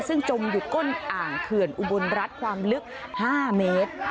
ซึ่งจมอยู่ก้นอ่างเขื่อนอุบลรัฐความลึก๕เมตร